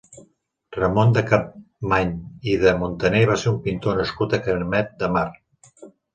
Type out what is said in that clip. Ramon de Capmany i de Montaner va ser un pintor nascut a Canet de Mar.